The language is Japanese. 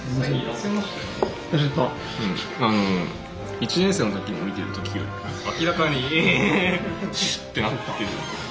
１年生の時に見てる時より明らかにシュッてなってる。